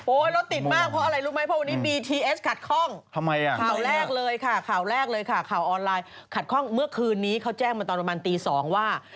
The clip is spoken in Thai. โอ๊ยรถติดมากเพราะอะไรรู้ไหม